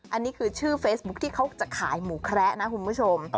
อันนี้คือชื่อเฟซบุ๊คที่เขาจะขายหมูแคระนะคุณผู้ชม